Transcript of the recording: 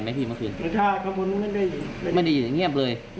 เลียบใช่ครับ